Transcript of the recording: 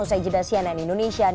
usai jedasyen dan indonesia